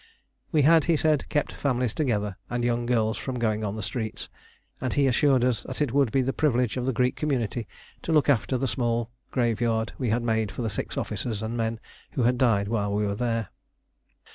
We had, he said, kept families together, and young girls from going on the streets, and he assured us that it would be the privilege of the Greek community to look after the small graveyard we had made for the six officers and men who had died while we were there.